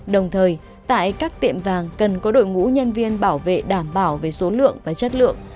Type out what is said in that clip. đồng thời tại các tiệm vàng cần có đội ngũ nhân viên bảo vệ đảm bảo về số lượng và chất lượng